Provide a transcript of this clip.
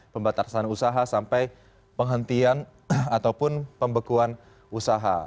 pembatasan usaha sampai penghentian ataupun pembekuan usaha